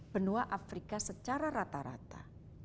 benua afrika secara rata rata